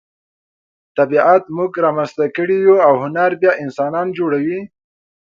طبیعت موږ را منځته کړي یو او هنر بیا انسانان جوړوي.